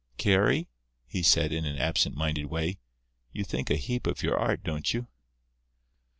"Carry," he said, in an absent minded way, "you think a heap of your art, don't you?"